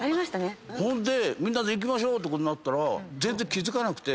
ほんで行きましょう！ってことになったら全然気付かなくて。